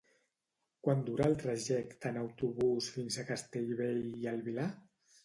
Quant dura el trajecte en autobús fins a Castellbell i el Vilar?